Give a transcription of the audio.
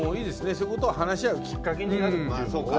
そういうことを話し合うきっかけになるっていうのを。